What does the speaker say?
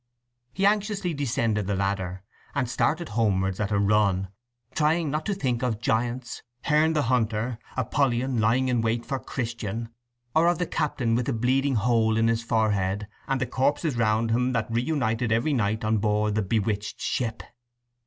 He anxiously descended the ladder, and started homewards at a run, trying not to think of giants, Herne the Hunter, Apollyon lying in wait for Christian, or of the captain with the bleeding hole in his forehead and the corpses round him that remutinied every night on board the bewitched ship.